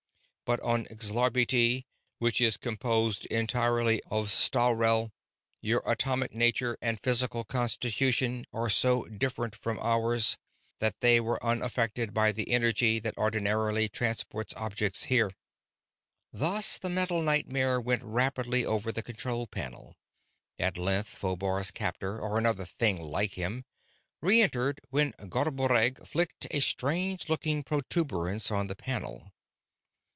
But on Xlarbti, which is composed entirely of Sthalreh, your atomic nature and physical constitution are so different from ours that they were unaffected by the energy that ordinarily transports objects here." Thus the metal nightmare went rapidly over the control panel. At length Phobar's captor, or another thing like him, reentered when Garboreggg flicked a strange looking protuberance on the panel.